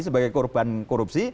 sebagai korban korupsi